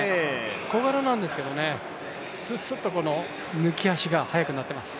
小柄なんですけどね、すっすっと抜き足が速くなってます。